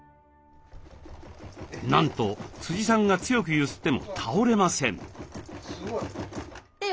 なんとさんが強く揺すっても倒れません。